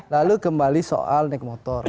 lalu kembali soal naik motor